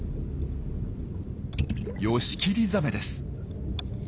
ヨシキリザメです。